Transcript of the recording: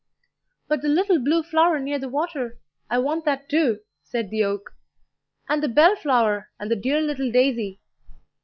"But the little blue flower near the water I want that, too," said the oak; "and the bellflower, and the dear little daisy."